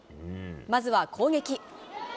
まずは、攻撃。